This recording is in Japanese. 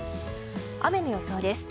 雨の予想です。